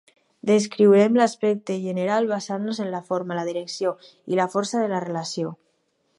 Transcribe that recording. Descriurem l'aspecte general basant-nos en la forma, la direcció i la força de la relació.